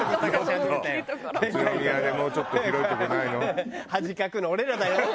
宇都宮でもうちょっと広いとこないの？